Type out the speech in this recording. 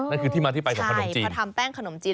นั่นคือที่มาที่ไปของขนมจีนเขาทำแป้งขนมจีน